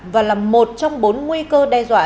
và là một trong bốn nguy cơ đe dọa